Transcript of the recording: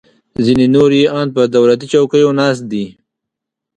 ځینې نور یې ان پر دولتي چوکیو ناست دي